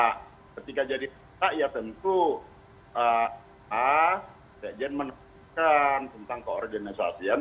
ketika jadi berita ya tentu sekjen menerima tentang koorganisasian